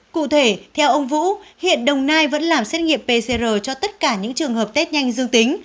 cụ thể theo ông vũ hiện đồng nai vẫn làm xét nghiệm pcr cho tất cả những trường hợp test nhanh dương tính